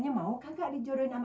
iya dah yang penting komisinya raya